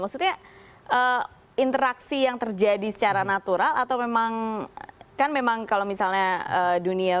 maksudnya interaksi yang terjadi secara natural atau memang kan memang kalau misalnya dunia